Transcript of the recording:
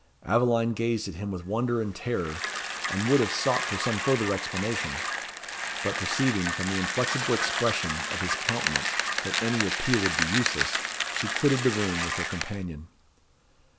Aveline gazed at him with wonder and terror, and would have sought for some further explanation; but perceiving from the inflexible expression of his countenance that any appeal would be useless, she quitted the room with her companion.